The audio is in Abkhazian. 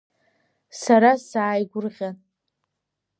Сара сааигәырӷьан…